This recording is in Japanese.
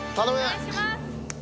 お願いします。